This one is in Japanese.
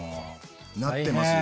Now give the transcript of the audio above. なってますよ。